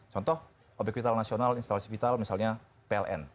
contoh obyek vital nasional instalasi vital misalnya pln